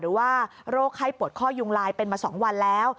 โรคไข้ปวดข้อยุงลายเป็นมา๒วันแล้ว